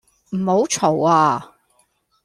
唔好嘈呀